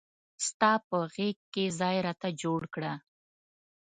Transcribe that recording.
ستا په غیږ کې ځای راته جوړ کړه.